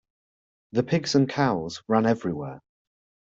The pigs and cows ran everywhere.